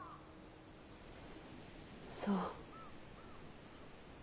そう。